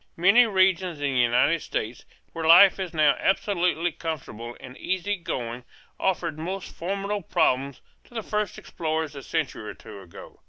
Many regions in the United States where life is now absolutely comfortable and easygoing offered most formidable problems to the first explorers a century or two ago.